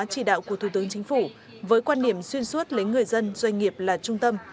chỉ đạo của thủ tướng chính phủ với quan điểm xuyên suốt lấy người dân doanh nghiệp là trung tâm